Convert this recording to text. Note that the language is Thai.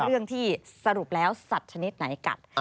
เรื่องที่สรุปแล้วสัตว์ชนิดไหนกัด